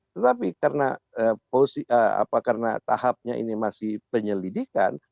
tetapi karena tahapnya ini masih penyelidikan